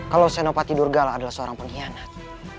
kalau senopati durgala adalah seorang pengkhianat